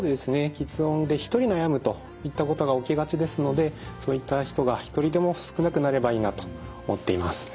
吃音で１人悩むといったことが起きがちですのでそういった人が一人でも少なくなればいいなと思っています。